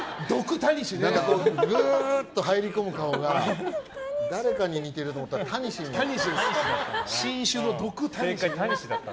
グーッと入り込む顔が誰かに似てると思ったら新種の毒タニシ。